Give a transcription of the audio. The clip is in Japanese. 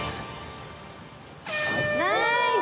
ナイス！